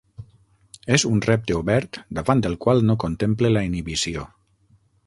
És un repte obert davant el qual no contemple la inhibició.